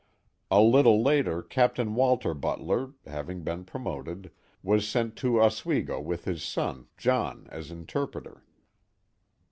A little later Captain Walter Butler (having been promoted) was sent to Oswego with his son, John, as interpreter.